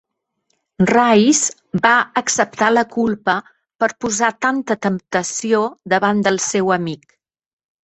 Rice va acceptar la culpa per posar "tanta temptació" davant del seu amic.